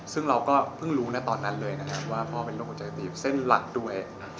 ซึ่งเราก็เพิ่งรู้ตอนนั้นเลยนะครับว่าพ่อเป็นโรคหัวใจตีบเส้นหลักด้วย